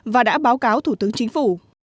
và đã báo cáo thủ tướng chính phủ